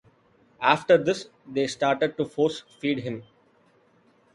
After this, they started to force feed him.